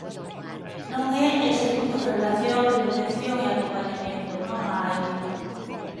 Non é ese tipo de relación de protección e acompañamento, non a hai.